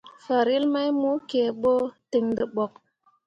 Farel mai mo kǝǝɓo ten dǝɓok.